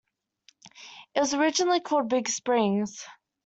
It was originally called Big Springs.